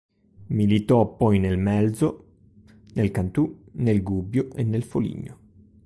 Militò poi nel Melzo, nel Cantù, nel Gubbio e nel Foligno.